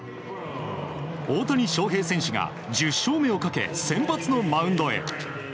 大谷翔平選手が１０勝目をかけ先発のマウンドへ。